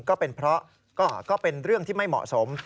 ก็เป็นเพราะก็เป็นเรื่องที่ไม่เหมาะสม